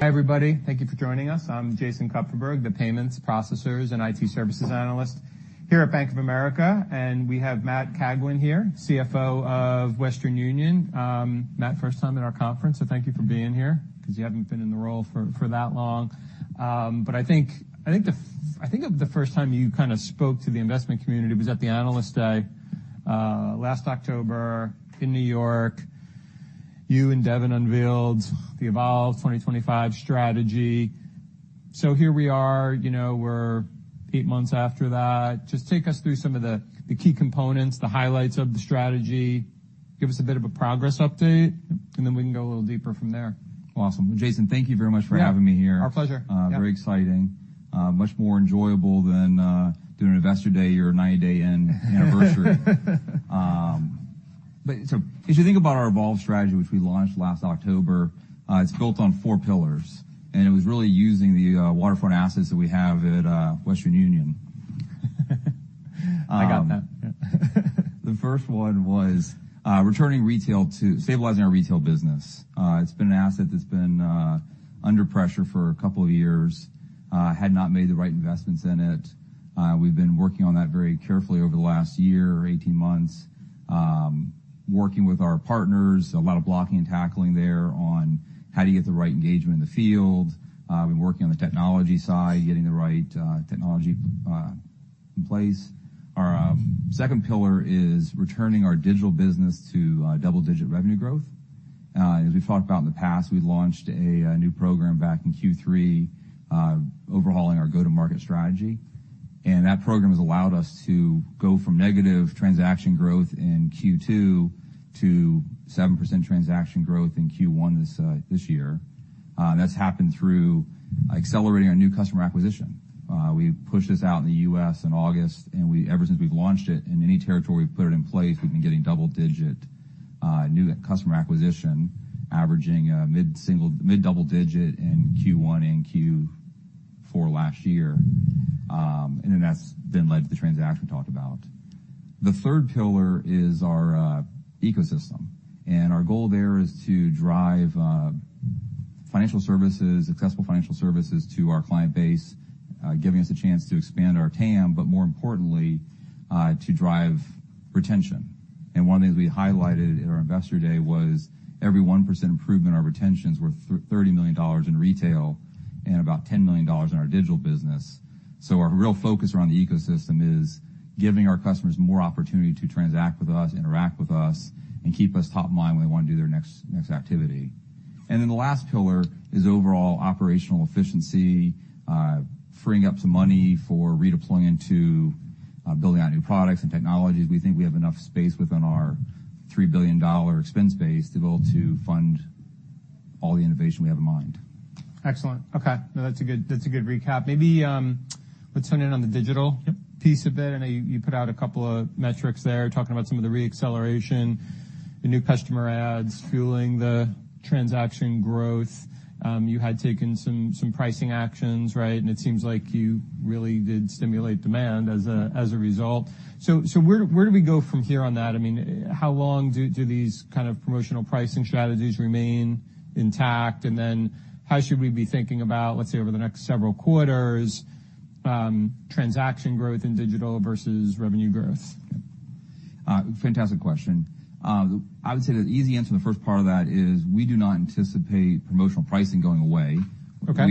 Hi, everybody. Thank you for joining us. I'm Jason Kupferberg, the Payments, Processors, and IT Services Analyst here at Bank of America, and we have Matt Cagwin here, CFO of Western Union. Matt, first time in our conference, thank you for being here, 'cause you haven't been in the role for that long. I think of the first time you kind of spoke to the investment community was at the Analyst Day last October in New York. You and Devin unveiled the Evolve 2025 strategy. Here we are, you know, we're eight months after that. Just take us through some of the key components, the highlights of the strategy, give us a bit of a progress update, we can go a little deeper from there. Awesome. Jason, thank you very much for- Yeah. ...having me here. Our pleasure. Very exciting. Much more enjoyable than doing an Investor Day or 90-day anniversary. If you think about our Evolve strategy, which we launched last October, it's built on four pillars, and it was really using the storefront assets that we have at Western Union. I got that. The first one was returning retail to stabilizing our retail business. It's been an asset that's been under pressure for a couple of years, had not made the right investments in it. We've been working on that very carefully over the last year or 18 months, working with our partners, a lot of blocking and tackling there on how do you get the right engagement in the field, we've been working on the technology side, getting the right technology in place. Our second pillar is returning our digital business to double-digit revenue growth. As we've talked about in the past, we launched a new program back in Q3, overhauling our go-to-market strategy, and that program has allowed us to go from negative transaction growth in Q2 to 7% transaction growth in Q1 this year. That's happened through accelerating our new customer acquisition. We pushed this out in the U.S. in August, and we, ever since we've launched it, in any territory we've put it in place, we've been getting double-digit new customer acquisition, averaging mid-single, mid-double digit in Q1 and Q4 last year. That's then led to the transaction we talked about. The third pillar is our ecosystem, and our goal there is to drive financial services, successful financial services to our client base, giving us a chance to expand our TAM, but more importantly, to drive retention. One of the things we highlighted in our Investor Day was every 1% improvement in our retention is worth $30 million in retail and about $10 million in our digital business. Our real focus around the ecosystem is giving our customers more opportunity to transact with us, interact with us, and keep us top of mind when they want to do their next activity. The last pillar is overall operational efficiency, freeing up some money for redeploying into building out new products and technologies. We think we have enough space within our $3 billion expense base to be able to fund all the innovation we have in mind. Excellent. Okay. No, that's a good recap. Maybe, let's hone in on the digital. Yep. Piece of it. I know you put out a couple of metrics there, talking about some of the re-acceleration, the new customer adds fueling the transaction growth. You had taken some pricing actions, right? It seems like you really did stimulate demand as a result. Where do we go from here on that? I mean, how long do these kind of promotional pricing strategies remain intact? Then, how should we be thinking about, let's say, over the next several quarters, transaction growth in digital versus revenue growth? Fantastic question. I would say the easy answer to the first part of that is we do not anticipate promotional pricing going away. Okay.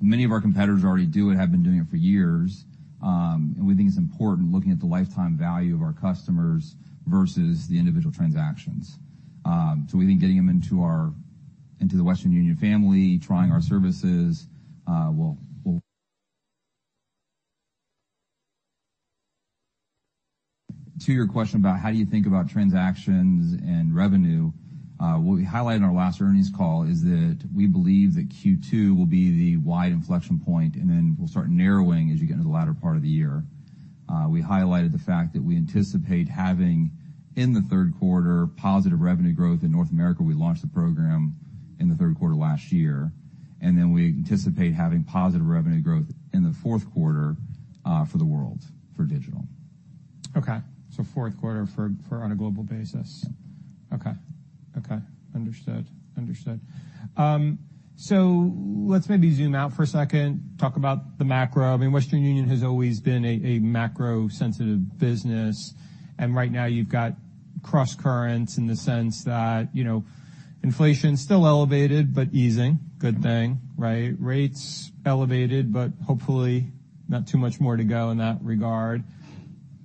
Many of our competitors already do it, have been doing it for years. We think it's important, looking at the lifetime value of our customers versus the individual transactions. We think getting them into the Western Union family, trying our services. To your question about how do you think about transactions and revenue, what we highlighted in our last earnings call is that we believe that Q2 will be the wide inflection point, then we'll start narrowing as you get into the latter part of the year. We highlighted the fact that we anticipate having, in the third quarter, positive revenue growth. In North America, we launched the program in the third quarter last year. We anticipate having positive revenue growth in the fourth quarter, for the world, for digital. Okay, fourth quarter for on a global basis? Yeah. Okay, understood. Understood. Let's maybe zoom out for a second, talk about the macro. I mean Western Union has always been a macro-sensitive business, and right now, you've got crosscurrents in the sense that, you know, inflation's still elevated, but easing. Good thing, right? Rates, elevated, but hopefully not too much more to go in that regard.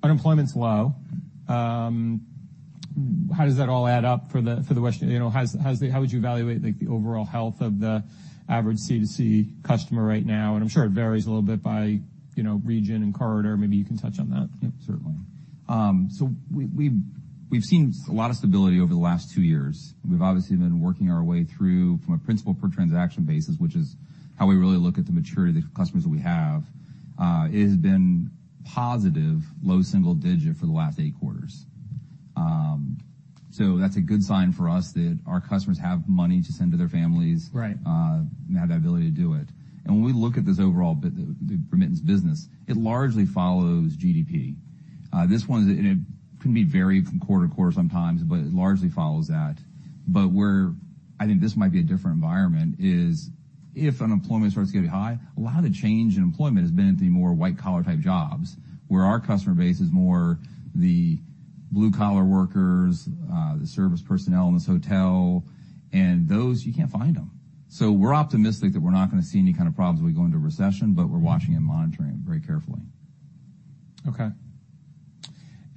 Unemployment's low. How does that all add up for Western Union, you know, how would you evaluate, like, the overall health of the average C2C customer right now? I'm sure it varies a little bit by, you know, region and corridor. Maybe you can touch on that. Yep, certainly. We've seen a lot of stability over the last two years. We've obviously been working our way through from a principle per transaction basis, which is how we really look at the maturity of the customers that we have. It has been positive, low single digit for the last eight quarters. That's a good sign for us that our customers have money to send to their families. Right. And have that ability to do it. When we look at this overall the remittance business, it largely follows GDP. This one is, and it can be varied from quarter to quarter sometimes, but it largely follows that. Where I think this might be a different environment is if unemployment starts to get high, a lot of the change in employment has been at the more white-collar type jobs, where our customer base is more the blue-collar workers, the service personnel in this hotel, and those, you can't find them. We're optimistic that we're not gonna see any kind of problems if we go into a recession, but we're watching and monitoring it very carefully. Okay.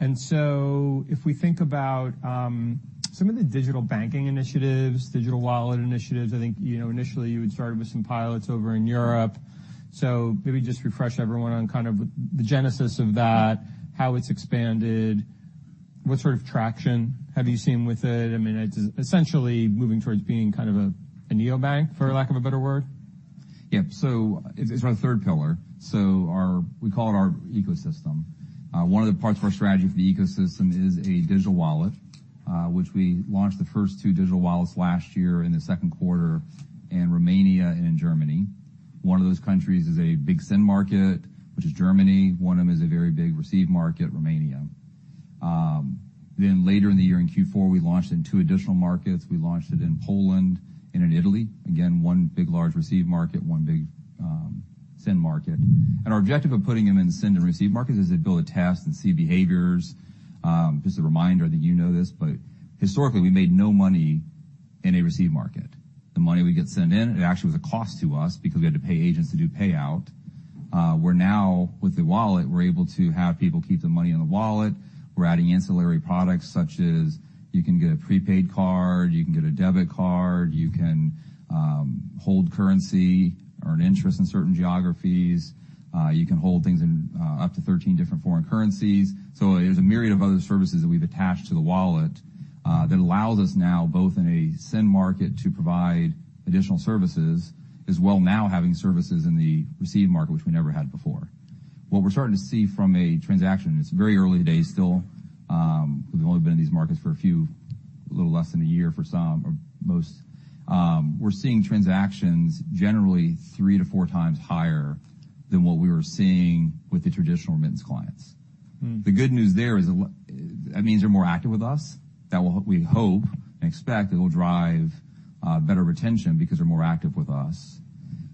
If we think about some of the digital banking initiatives, digital wallet initiatives, I think, you know, initially you had started with some pilots over in Europe. Maybe just refresh everyone on kind of the genesis of that, how it's expanded. What sort of traction have you seen with it? I mean, it's essentially moving towards being kind of a neobank, for lack of a better word. It's our third pillar, we call it our ecosystem. One of the parts of our strategy for the ecosystem is a digital wallet, which we launched the first two digital wallets last year in the second quarter in Romania and in Germany. One of those countries is a big send market, which is Germany. One of them is a very big receive market, Romania. Then later in the year, in Q4, we launched in two additional markets. We launched it in Poland and in Italy. Again, one big large receive market, one big send market. Our objective of putting them in send and receive markets is to build a test and see behaviors. Just a reminder that you know this, but historically we made no money in a receive market. The money we get sent in, it actually was a cost to us because we had to pay agents to do payout. We're now, with the wallet, we're able to have people keep the money in the wallet. We're adding ancillary products, such as you can get a prepaid card, you can get a debit card, you can hold currency, earn interest in certain geographies. You can hold things in up to 13 different foreign currencies. There's a myriad of other services that we've attached to the wallet that allows us now, both in a send market, to provide additional services, as well now having services in the receive market, which we never had before. What we're starting to see from a transaction, it's very early days still, we've only been in these markets for a few, a little less than a year for some or most. We're seeing transactions generally 3-4 times higher than what we were seeing with the traditional remittance clients. Mm. The good news there is that means they're more active with us. That will, we hope and expect, it will drive better retention because they're more active with us.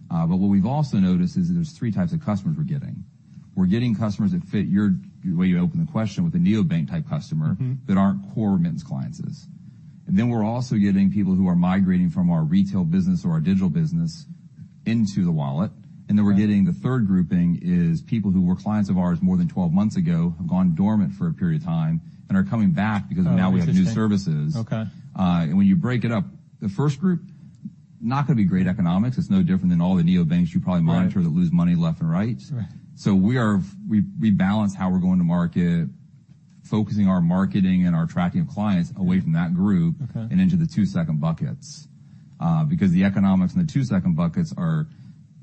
What we've also noticed is that there's three types of customers we're getting. We're getting customers that fit your, the way you opened the question with the neobank-type customer- Mm-hmm. ...that aren't core remittance clients as. We're also getting people who are migrating from our retail business or our digital business into the wallet. Right. We're getting the third grouping is people who were clients of ours more than 12 months ago, have gone dormant for a period of time, and are coming back because now we have new services. Oh, interesting. Okay. When you break it up, the first group, not gonna be great economics. It's no different than all the neobanks you probably monitor. Right. That lose money left and right. Right. We balance how we're going to market, focusing our marketing and our tracking of clients away from that group- Okay.... and into the two second buckets. Because the economics in the 2 second buckets are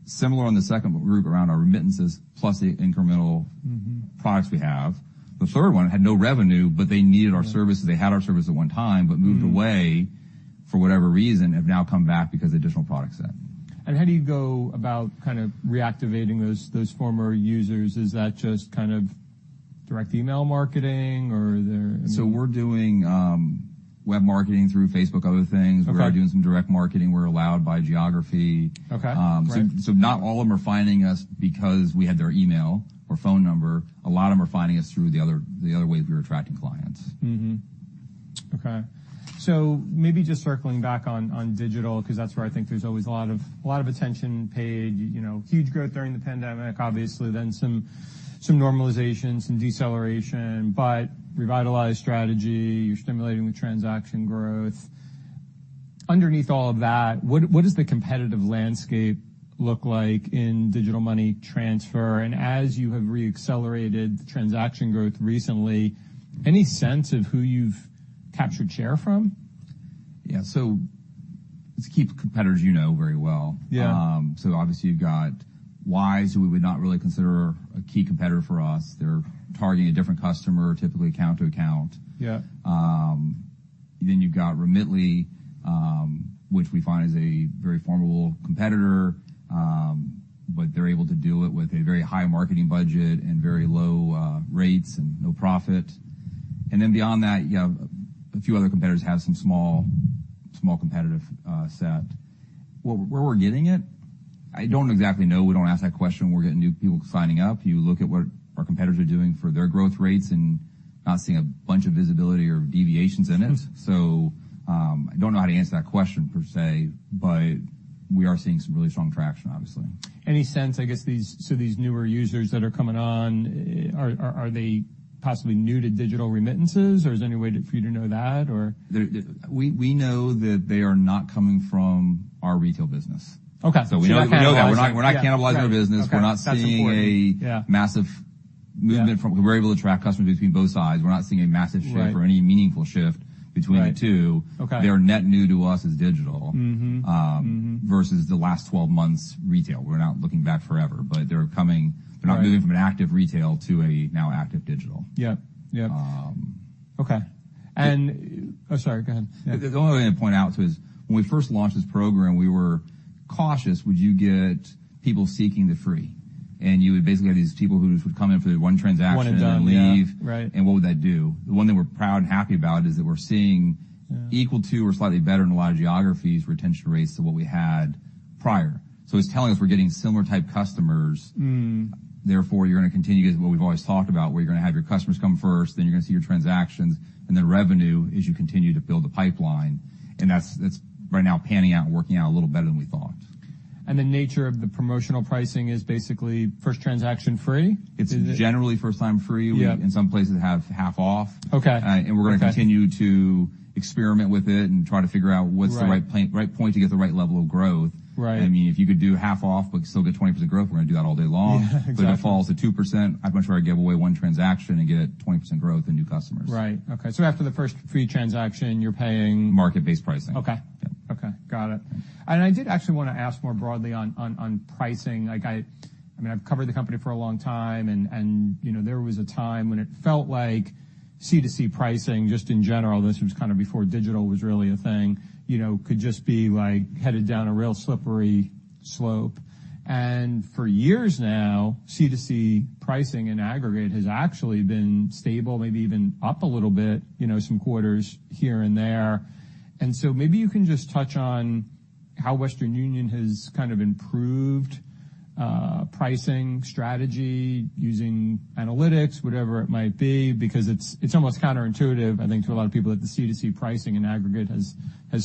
similar on the second group around our remittances, plus the incremental- Mm-hmm.... products we have. The third one had no revenue, but they needed our services. Right. They had our services at one time. Mm. But moved away for whatever reason, have now come back because of the additional product set. How do you go about kind of reactivating those former users? Is that just kind of direct email marketing? We're doing web marketing through Facebook, other things. Okay. We're doing some direct marketing where allowed by geography. Okay. Great. Not all of them are finding us because we had their email or phone number. A lot of them are finding us through the other, the other ways we were attracting clients. Okay. Maybe just circling back on digital, because that's where I think there's always a lot of attention paid. You know, huge growth during the pandemic, obviously. Some normalization, some deceleration, but revitalized strategy. You're stimulating the transaction growth. Underneath all of that, what does the competitive landscape look like in digital money transfer? As you have re-accelerated the transaction growth recently, any sense of who you've captured share from? Yeah. Let's keep competitors you know very well. Yeah. Obviously you've got Wise, who we would not really consider a key competitor for us. They're targeting a different customer, typically account to account. Yeah. You've got Remitly, which we find is a very formidable competitor, but they're able to do it with a very high marketing budget and very low rates and no profit. Beyond that, you have a few other competitors have some small competitive set. Where we're getting it, I don't exactly know. We don't ask that question when we're getting new people signing up. You look at what our competitors are doing for their growth rates and not seeing a bunch of visibility or deviations in it. Mm. I don't know how to answer that question per se, but we are seeing some really strong traction, obviously. Any sense, I guess, these newer users that are coming on, are they possibly new to digital remittances, or is there any way for you to know that, or? We know that they are not coming from our retail business. Okay. We know that. You're not cannibalizing. We're not cannibalizing our business. Yeah. Okay. We're not seeing- That's important, yeah.... massive movement. Yeah. We're able to track customers between both sides. We're not seeing a massive shift- Right... or any meaningful shift between the two. Right. Okay. They are net new to us as digital. Mm-hmm. Mm-hmm. Versus the last 12 months retail. We're not looking back forever, but they're coming- Right... they're not moving from an active retail to a now active digital. Yeah. Yeah. Um. Okay. Oh, sorry, go ahead. The only other thing I'd point out, too, is when we first launched this program, we were cautious. Would you get people seeking the free? You would basically have these people who just would come in for the one transaction- One and done, yeah. ...then leave. Right. What would that do? The one that we're proud and happy about is that we're seeing- Yeah ...equal to or slightly better than a lot of geographies, retention rates to what we had prior. It's telling us we're getting similar type customers. Mm. Therefore, you're gonna continue with what we've always talked about, where you're gonna have your customers come first, then you're gonna see your transactions, and then revenue as you continue to build the pipeline. That's right now panning out and working out a little better than we thought. The nature of the promotional pricing is basically first transaction free? It's generally first time free. Yeah. We, in some places, have half off. Okay. We're gonna continue to experiment with it and try to figure out. Right What's the right plan, right point to get the right level of growth. Right. I mean, if you could do half off but still get 20% growth, we're gonna do that all day long. Yeah, exactly. If it falls to 2%, I'd much rather give away one transaction and get 20% growth and new customers. Right. Okay, after the first free transaction, you're paying? Market-based pricing. Okay. Yeah. Okay, got it. I did actually want to ask more broadly on pricing. Like, I mean, I've covered the company for a long time, and, you know, there was a time when it felt like C2C pricing, just in general, this was kind of before digital was really a thing, you know, could just be, like, headed down a real slippery slope. For years now, C2C pricing in aggregate has actually been stable, maybe even up a little bit, you know, some quarters here and there. Maybe you can just touch on how Western Union has kind of improved pricing strategy using analytics, whatever it might be, because it's almost counterintuitive, I think, to a lot of people, that the C2C pricing in aggregate has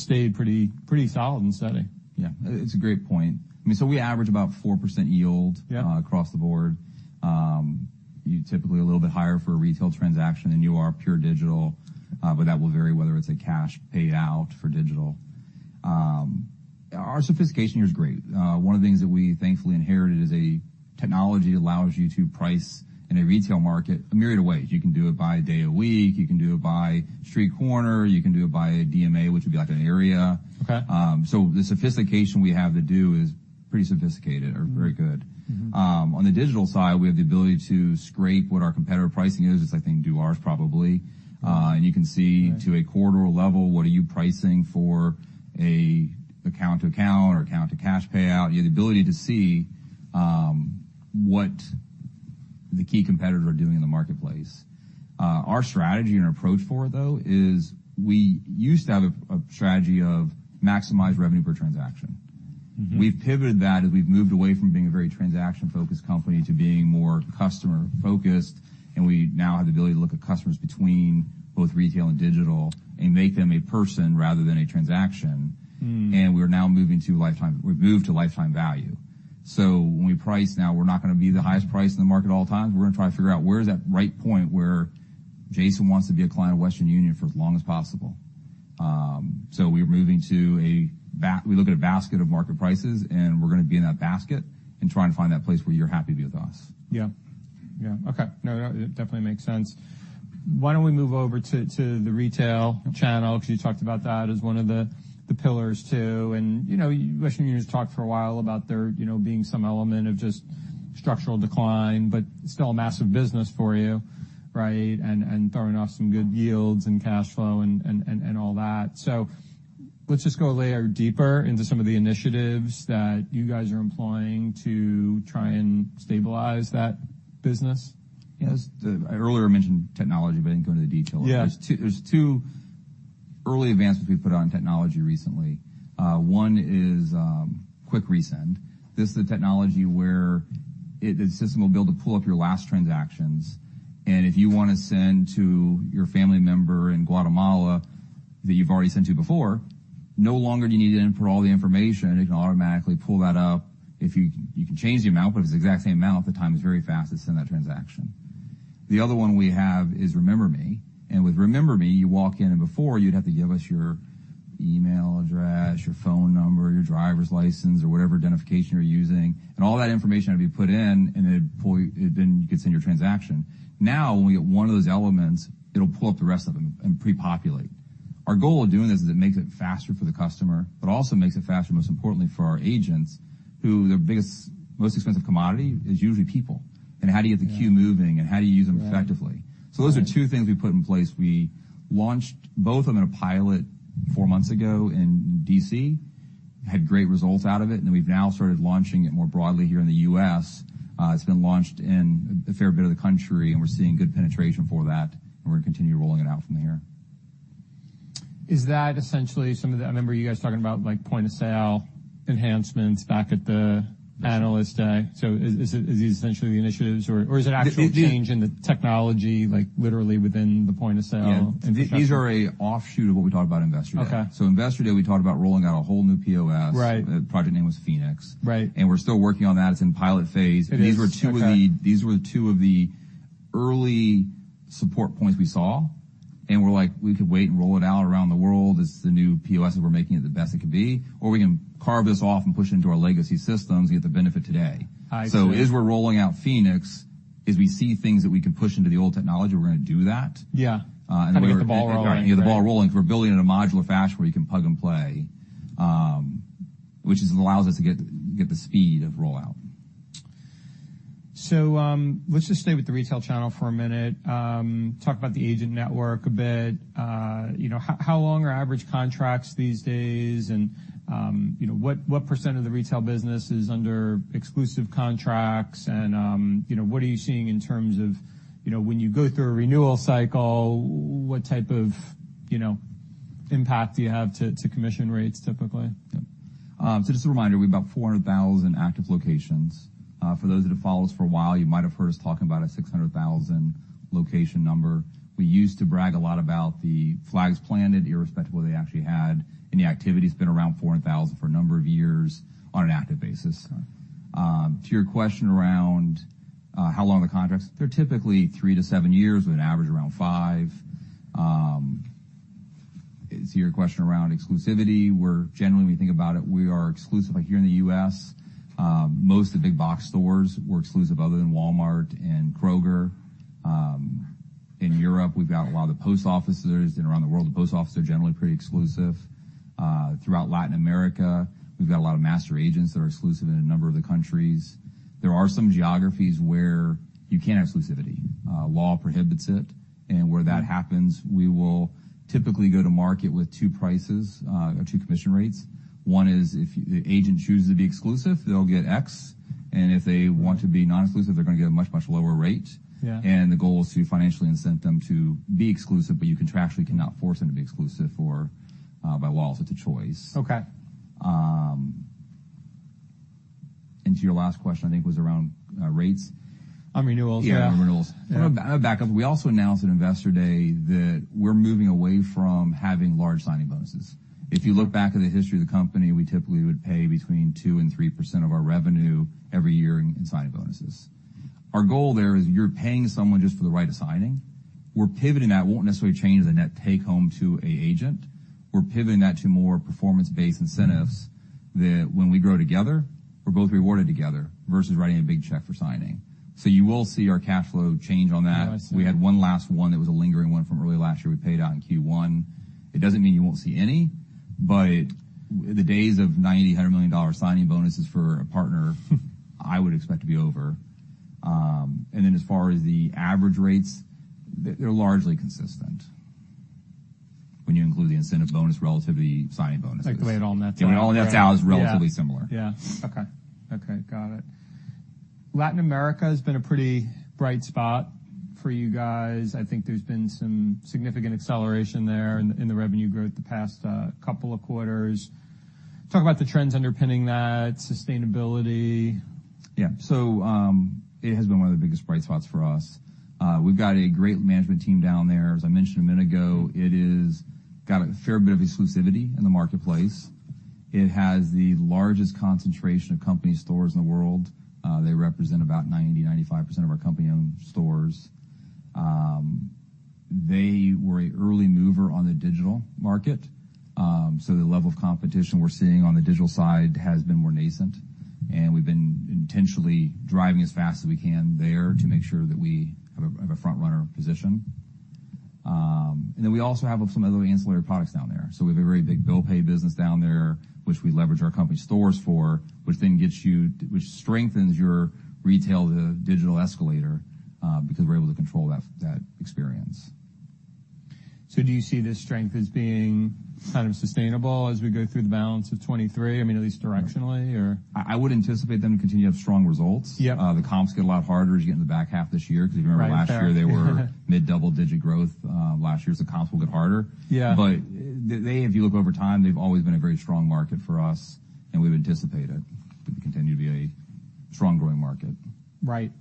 stayed pretty solid and steady. Yeah. It's a great point. I mean, we average about 4% yield- Yeah ...across the board. You're typically a little bit higher for a retail transaction than you are pure digital, but that will vary whether it's a cash payout for digital. Our sophistication here is great. One of the things that we thankfully inherited is a technology that allows you to price in a retail market a myriad of ways. You can do it by day of week, you can do it by street corner, you can do it by DMA, which would be like an area. Okay. The sophistication we have to do is pretty sophisticated or very good. Mm-hmm. On the digital side, we have the ability to scrape what our competitor pricing is. Just, I think, do ours probably. Right. You can see to a corridor level, what are you pricing for a account to account or account to cash payout? You have the ability to see what the key competitors are doing in the marketplace. Our strategy and approach for it, though, is we used to have a strategy of maximize revenue per transaction. Mm-hmm. We've pivoted that as we've moved away from being a very transaction-focused company to being more customer-focused, and we now have the ability to look at customers between both retail and digital and make them a person rather than a transaction. Mm. We've moved to lifetime value. When we price now, we're not gonna be the highest price in the market all the time. We're gonna try to figure out where is that right point where Jason wants to be a client of Western Union for as long as possible. We look at a basket of market prices, and we're gonna be in that basket and try and find that place where you're happy to be with us. Yeah. Yeah, okay. No, no, it definitely makes sense. Why don't we move over to the retail channel? Because you talked about that as one of the pillars, too. You know, Western Union's talked for a while about there, you know, being some element of just structural decline, but still a massive business for you, right? Throwing off some good yields and cash flow and all that. Let's just go a layer deeper into some of the initiatives that you guys are employing to try and stabilize that business. Yes, I earlier mentioned technology, but I didn't go into the detail. Yeah. There's two early advancements we've put out in technology recently. One is Quick Resend. This is the technology where the system will be able to pull up your last transactions. If you want to send to your family member in Guatemala that you've already sent to before, no longer do you need to input all the information. It can automatically pull that up. You can change the amount. If it's the exact same amount, the time is very fast to send that transaction. The other one we have is Remember Me. With Remember Me, you walk in. Before you'd have to give us your email address, your phone number, your driver's license or whatever identification you're using. All that information had to be put in, then you could send your transaction. When we get one of those elements, it'll pull up the rest of them and pre-populate. Our goal of doing this is it makes it faster for the customer, but also makes it faster, most importantly, for our agents, who their biggest, most expensive commodity is usually people. Yeah. How do you get the queue moving, and how do you use them effectively? Right. Those are two things we put in place. We launched both on a pilot four months ago in D.C., had great results out of it, and we've now started launching it more broadly here in the U.S. It's been launched in a fair bit of the country, and we're seeing good penetration for that, and we're gonna continue rolling it out from here. Is that essentially some of the. I remember you guys talking about, like, point-of-sale enhancements back at the analyst day. Is this essentially the initiatives, or is it actual- The, the- ...change in the technology, like, literally within the point of sale? Yeah. Infrastructure. These are a offshoot of what we talked about Investor Day. Okay. Investor Day, we talked about rolling out a whole new POS. Right. The project name was Phoenix. Right. We're still working on that. It's in pilot phase. It is. These were two of the- Okay ...these were two of the early support points we saw. We're like: We could wait and roll it out around the world. This is the new POS. We're making it the best it could be. We can carve this off and push it into our legacy systems to get the benefit today. I see. As we're rolling out Phoenix, as we see things that we can push into the old technology, we're gonna do that. Yeah. Uh, and we're- Got to get the ball rolling. Get the ball rolling, because we're building in a modular fashion where you can plug and play, which allows us to get the speed of rollout. Let's just stay with the retail channel for a minute. Talk about the agent network a bit. You know, how long are average contracts these days? You know, what percent of the retail business is under exclusive contracts? You know, what are you seeing in terms of, you know, when you go through a renewal cycle, what type of, you know, impact do you have to commission rates, typically? Just a reminder, we have about 400,000 active locations. For those that have followed us for a while, you might have heard us talking about a 600,000 location number. We used to brag a lot about the flags planted, irrespective of what they actually had. The activity's been around 400,000 for a number of years on an active basis. To your question around how long the contracts, they're typically 3-7 years, with an average around five. To your question around exclusivity, generally, when we think about it, we are exclusive. Like, here in the U.S., most of the big box stores were exclusive, other than Walmart and Kroger. In Europe, we've got a lot of the post offices, and around the world, the post offices are generally pretty exclusive. Throughout Latin America, we've got a lot of master agents that are exclusive in a number of the countries. There are some geographies where you can't have exclusivity, law prohibits it. Where that happens, we will typically go to market with two prices, or two commission rates. One is, if the agent chooses to be exclusive, they'll get X, and if they want to be non-exclusive, they're gonna get a much, much lower rate. Yeah. The goal is to financially incent them to be exclusive, but you contractually cannot force them to be exclusive or, by law, it's a choice. Okay. To your last question, I think was around, rates? On renewals, yeah. Yeah, on renewals. Yeah. I'm going to back up. We also announced at Investor Day that we're moving away from having large signing bonuses. If you look back at the history of the company, we typically would pay between 2% and 3% of our revenue every year in signing bonuses. Our goal there is you're paying someone just for the right of signing. We're pivoting that. It won't necessarily change the net take-home to a agent. We're pivoting that to more performance-based incentives, that when we grow together, we're both rewarded together, versus writing a big check for signing. You will see our cash flow change on that. Yeah, I see. We had one last one that was a lingering one from early last year we paid out in Q1. It doesn't mean you won't see any, but the days of 90, $100 million signing bonuses I would expect to be over. As far as the average rates, they're largely consistent when you include the incentive bonus relatively signing bonuses. Like, the way it all nets out. Yeah, when it all nets out- Yeah... it's relatively similar. Yeah. Okay. Okay, got it. Latin America has been a pretty bright spot for you guys. I think there's been some significant acceleration there in the revenue growth the past couple of quarters. Talk about the trends underpinning that, sustainability? Yeah. It has been one of the biggest bright spots for us. We've got a great management team down there. As I mentioned a minute ago, it got a fair bit of exclusivity in the marketplace. It has the largest concentration of company stores in the world. They represent about 90%-95% of our company-owned stores. They were a early mover on the digital market. The level of competition we're seeing on the digital side has been more nascent, and we've been intentionally driving as fast as we can there, to make sure that we have a frontrunner position. We also have some other ancillary products down there. we have a very big bill pay business down there, which we leverage our company stores for, which then strengthens your retail to digital escalator, because we're able to control that experience. Do you see this strength as being kind of sustainable as we go through the balance of 2023? I mean, at least directionally, or. I would anticipate them to continue to have strong results. Yeah. The comps get a lot harder as you get in the back half of this year, because if you remember. Right, fair. Last year, they were mid-double digit growth. Last year's comps will get harder. Yeah. They, if you look over time, they've always been a very strong market for us, and we've anticipated it to continue to be a strong growing market. Right.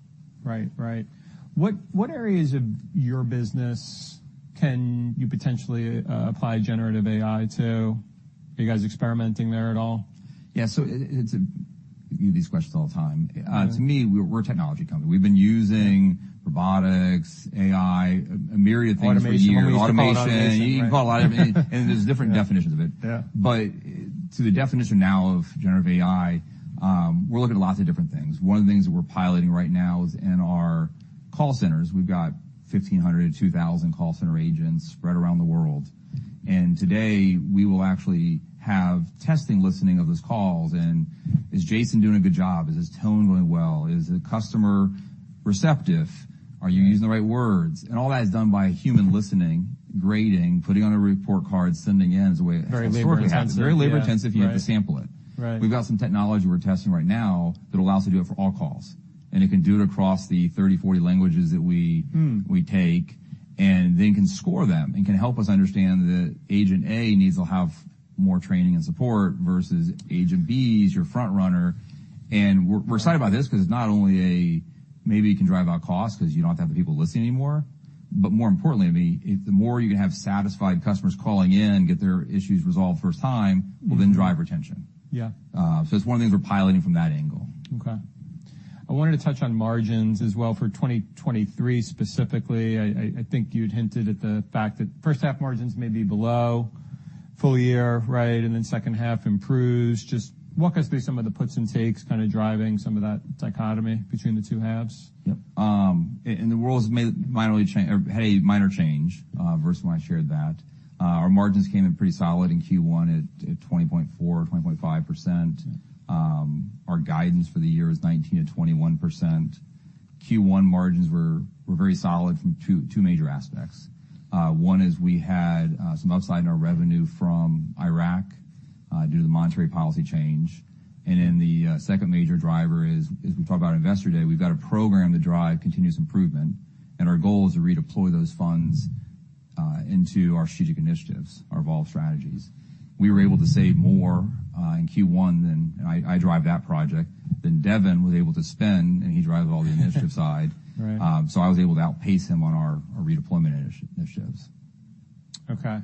Right, right. What areas of your business can you potentially apply generative AI to? Are you guys experimenting there at all? Yeah, it's a. We get these questions all the time. Yeah. To me, we're a technology company. We've been using robotics, AI, a myriad of things for years. Automation. Some of these- Automation. Right. You can call a lot of it. There's different definitions of it. Yeah. To the definition now of generative AI, we're looking at lots of different things. One of the things that we're piloting right now is in our call centers. We've got 1,5000-2,000 call center agents spread around the world, and today, we will actually have testing listening of those calls. Is Jason doing a good job? Is his tone going well? Is the customer receptive? Yeah. Are you using the right words? All that is done by a human listening, grading, putting on a report card, sending in, is the way it historically happens. Very labor intensive. Very labor intensive- Right ...you have to sample it. Right. We've got some technology we're testing right now that allows us to do it for all calls. It can do it across the 30, 40 languages that we- Hmm... we take, and then can score them and can help us understand that agent A needs to have more training and support versus agent B, he's your front runner. We're excited about this, because it's not only a, maybe you can drive down cost, because you don't have to have the people listen anymore. More importantly, I mean, the more you have satisfied customers calling in and get their issues resolved first time, will then drive retention. Yeah. It's one of the things we're piloting from that angle. I wanted to touch on margins as well for 2023, specifically. I think you'd hinted at the fact that first half margins may be below full year, right? Second half improves. Just walk us through some of the puts and takes, kind of driving some of that dichotomy between the two halves. Yep, the world's made minorly change or had a minor change versus when I shared that. Our margins came in pretty solid in Q1 at 20.4%, 20.5%. Our guidance for the year is 19%-21%. Q1 margins were very solid from two major aspects. One is we had some upside in our revenue from Iraq due to the monetary policy change. The second major driver is, as we talked about in Investor Day, we've got a program to drive continuous improvement, and our goal is to redeploy those funds into our strategic initiatives, our Evolve strategies. We were able to save more in Q1 than, I drive that project, than Devin was able to spend, he drives all the initiative side. Right. I was able to outpace him on our redeployment initiatives. Okay.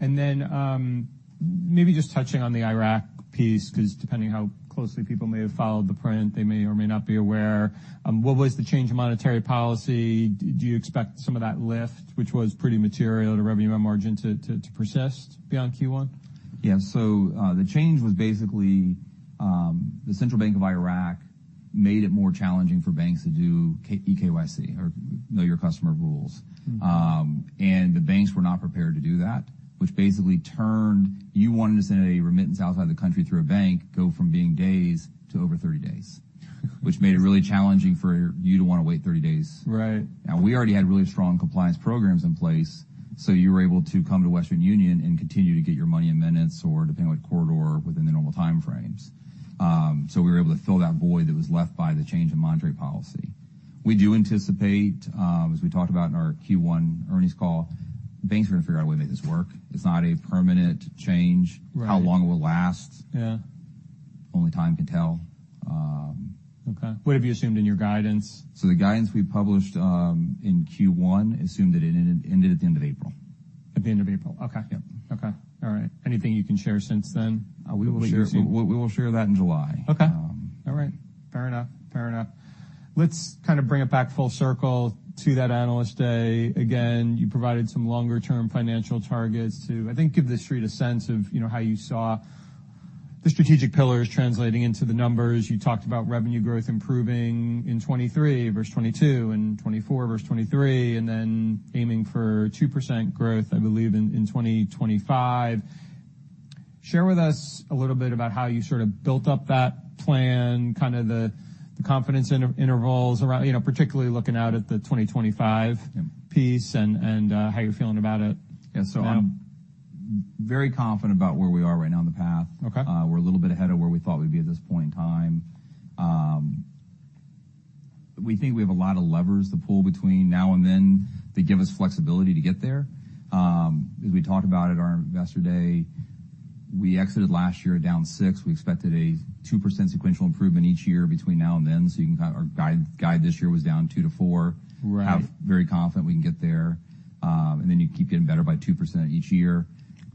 Then, maybe just touching on the Iraq piece, 'cause depending on how closely people may have followed the print, they may or may not be aware, what was the change in monetary policy? Do you expect some of that lift, which was pretty material to revenue and margin, to persist beyond Q1? Yeah. The change was basically, the Central Bank of Iraq made it more challenging for banks to do eKYC or Know Your Customer rules. Mm-hmm. The banks were not prepared to do that, which basically turned you wanting to send a remittance outside the country through a bank, go from being days to over 30 days. Which made it really challenging for you to want to wait 30 days. Right. We already had really strong compliance programs in place, so you were able to come to Western Union and continue to get your money in minutes or, depending on what corridor, within the normal time frames. We were able to fill that void that was left by the change in monetary policy. We do anticipate, as we talked about in our Q1 earnings call, the banks are going to figure out a way to make this work. It's not a permanent change. Right. How long it will last? Yeah Only time can tell. Okay. What have you assumed in your guidance? The guidance we published, in Q1 assumed that it ended at the end of April. At the end of April. Okay. Yep. Okay. All right. Anything you can share since then? We will share that in July. Okay. Um. All right. Fair enough. Fair enough. Let's kind of bring it back full circle to that Analyst Day again. You provided some longer-term financial targets to, I think, give the street a sense of, you know, how you saw the strategic pillars translating into the numbers. You talked about revenue growth improving in 2023 versus 2022 and 2024 versus 2023, and then aiming for 2% growth, I believe, in 2025. Share with us a little bit about how you sort of built up that plan, kind of the confidence intervals around, you know, particularly looking out at the 2025 piece and how you're feeling about it. Yeah. Um. I'm very confident about where we are right now on the path. Okay. We're a little bit ahead of where we thought we'd be at this point in time. We think we have a lot of levers to pull between now and then that give us flexibility to get there. As we talked about at our Investor Day, we exited last year down 6%. We expected a 2% sequential improvement each year between now and then. You can kind of our guide this year was down 2%-4%. Right. I'm very confident we can get there. You keep getting better by 2% each year.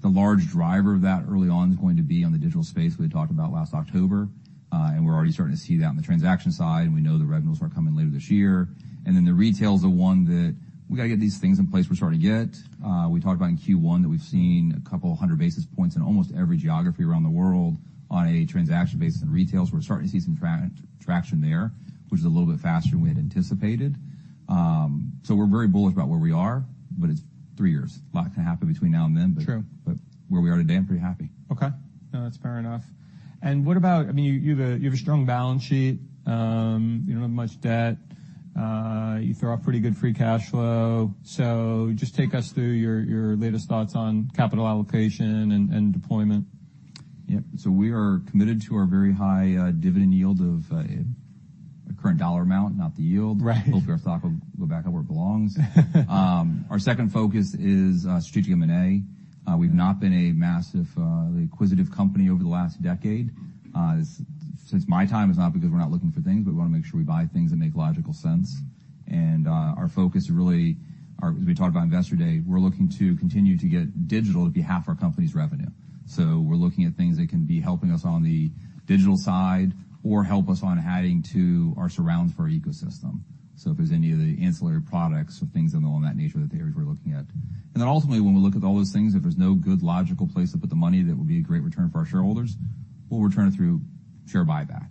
The large driver of that early on is going to be on the digital space we had talked about last October, we're already starting to see that on the transaction side, we know the revenues are coming later this year. The retail is the one that we got to get these things in place we're starting to get. We talked about in Q1 that we've seen 200 basis points in almost every geography around the world on a transaction basis. In retails, we're starting to see some traction there, which is a little bit faster than we had anticipated. We're very bullish about where we are, but it's three years. A lot can happen between now and then. True Where we are today, I'm pretty happy. Okay. No, that's fair enough. I mean, you have a strong balance sheet. You don't have much debt. You throw off pretty good free cash flow. Just take us through your latest thoughts on capital allocation and deployment. Yep. We are committed to our very high dividend yield of the current dollar amount, not the yield. Right. Hopefully, our stock will go back up where it belongs. Our second focus is strategic M&A. We've not been a massive acquisitive company over the last decade. Since my time, it's not because we're not looking for things, but we want to make sure we buy things that make logical sense. Our focus really are, as we talked about Investor Day, we're looking to continue to get digital to be half our company's revenue. We're looking at things that can be helping us on the digital side or help us on adding to our surrounds for our ecosystem. If there's any of the ancillary products or things along that nature, that the areas we're looking at. Ultimately, when we look at all those things, if there's no good, logical place to put the money, that would be a great return for our shareholders, we'll return it through share buyback.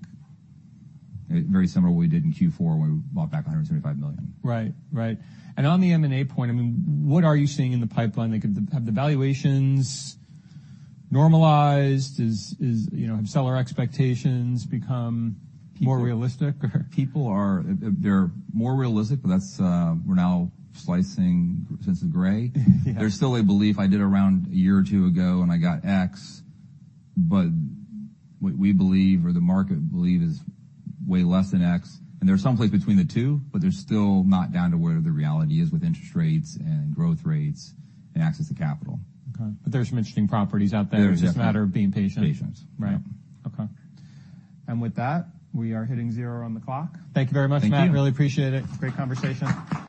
Very similar to what we did in Q4, when we bought back $175 million. Right. Right. On the M&A point, I mean, what are you seeing in the pipeline that could have the valuations normalized? Is, you know, have seller expectations become more realistic or? People they're more realistic, but that's, we're now slicing shades of gray. Yeah. There's still a belief I did around a year or two ago. I got X. What we believe or the market believe, is way less than X. They're someplace between the two. They're still not down to where the reality is with interest rates and growth rates and access to capital. Okay. There are some interesting properties out there- There is, yeah. It's just a matter of being patient. Patient. Right. Yep. Okay. With that, we are hitting zero on the clock. Thank you very much, Matt. Thank you. Really appreciate it. Great conversation.